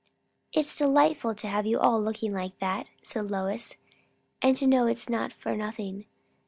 "It's delightful to have you all looking like that," said Lois, "and to know it's not for nothing.